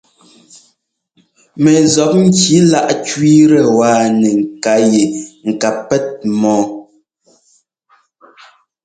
Mɛ zɔpŋki láꞌ kẅíitɛ wáa nɛ ŋká yɛ ŋ ká pɛ́t mɔ́ɔ.